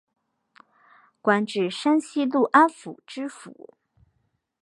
官至山西潞安府知府。